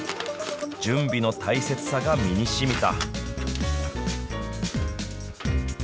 準備の大切さが身にしみた。